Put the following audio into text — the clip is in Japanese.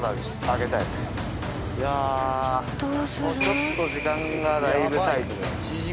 ちょっと時間がだいぶタイトです。